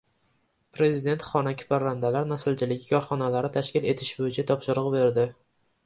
Prezident xonaki parrandalar naslchiligi korxonalari tashkil etish bo‘yicha topshiriq berdi